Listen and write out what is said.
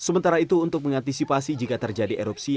sementara itu untuk mengantisipasi jika terjadi erupsi